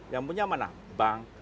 yang punya mana bank